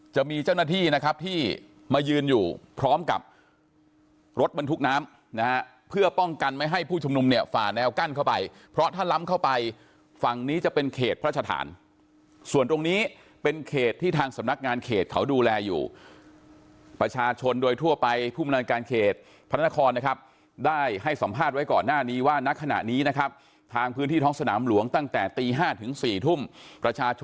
จะมีเจ้าหน้าที่นะครับที่มายืนอยู่พร้อมกับรถบรรทุกน้ำนะฮะเพื่อป้องกันไม่ให้ผู้ชุมนุมเนี่ยฝ่าแนวกั้นเข้าไปเพราะถ้าล้ำเข้าไปฝั่งนี้จะเป็นเขตพระราชฐานส่วนตรงนี้เป็นเขตที่ทางสำนักงานเขตเขาดูแลอยู่ประชาชนโดยทั่วไปผู้มนักงานเขตพระนครนะครับได้ให้สัมภาษณ์ไว้ก่อนหน้านี้ว่านักขณะนี้นะคร